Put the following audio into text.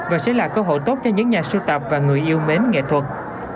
và sẽ là cơ hội tốt cho những nhà sưu tập và người yêu mến nghệ thuật